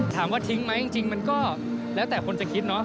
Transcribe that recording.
ถามว่าทิ้งไหมจริงมันก็แล้วแต่คนจะคิดเนาะ